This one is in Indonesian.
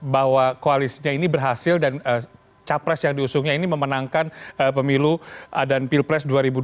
bahwa koalisinya ini berhasil dan capres yang diusungnya ini memenangkan pemilu dan pilpres dua ribu dua puluh